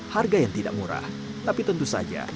harga yang tidak murah tapi tentu saja